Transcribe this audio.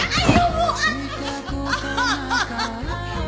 もう。